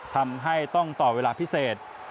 ทำให้ต้องต่อเวลาพิเศษ